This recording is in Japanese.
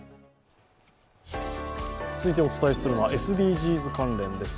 続いてお伝えするのはＳＤＧｓ関連です。